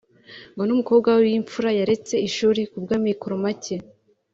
ngo n’umukobwa we w’imfura yaretse ishuri ku bw’amikoro make